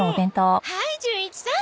はい純一さん